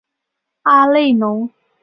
阿内龙。